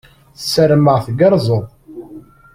Sarameɣ teggerzeḍ.